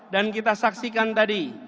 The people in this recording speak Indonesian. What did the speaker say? dan kita saksikan tadi